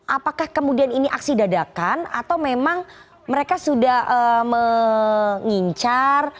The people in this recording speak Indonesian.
apakah kemudian ini aksi dadakan atau memang mereka sudah mengincar